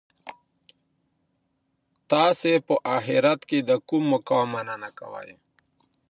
تاسي په اخیرت کي د کوم مقام مننه کوئ؟